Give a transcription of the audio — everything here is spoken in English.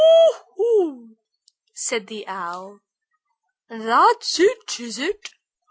oo hoo!" said the Owl. "That's it, is it?